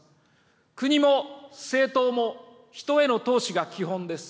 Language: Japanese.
国も政党も人への投資が基本です。